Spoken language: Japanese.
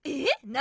何？